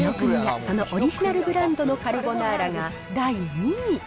そのオリジナルブランドのカルボナーラが第２位。